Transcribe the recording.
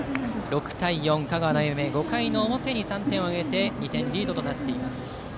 ６対４、香川・英明５回の表に３点を挙げて２点リードとなっています。